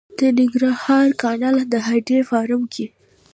د ننګرهار کانال د هډې فارم کې